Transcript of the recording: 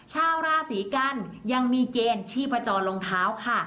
ชาวราศีกันยังมีเกณฑ์ชีพจรรองเท้าค่ะ